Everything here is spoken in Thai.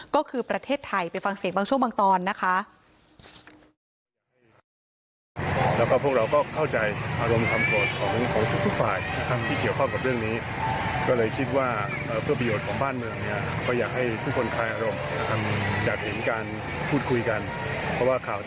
ก็คือประเทศไทยไปฟังเสียงบางช่วงบางตอนนะคะ